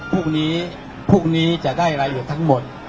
พรุ่งนี้จะได้รายละเอียดทั้งหมด